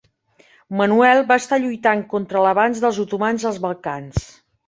Manuel va estar lluitant contra l'avanç dels otomans als Balcans.